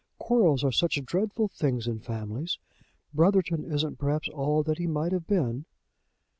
Quarrels are such dreadful things in families. Brotherton isn't, perhaps, all that he might have been."